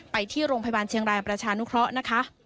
ไปที่โรงพยาบาลเชียงรายประชานุเคราะห์นะคะ